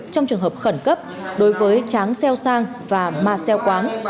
trong trường hợp khẩn cấp đối với tráng xeo sang và ma xeo quáng